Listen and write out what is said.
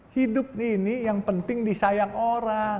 hidup ini yang penting disaingkan